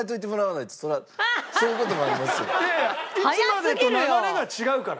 いつもと流れが違うから。